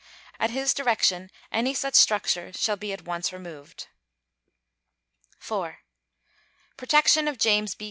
At his direction any such structure shall be at once removed. 4. _Protection of James B.